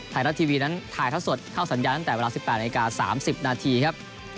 ไทยรัฐทีวีนั้นถ่ายเท่าสดเข้าสัญญาณตั้งแต่เวลา๑๘นาที๓๐นาทีครับ